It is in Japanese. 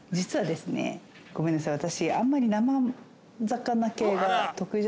ごめんなさい私。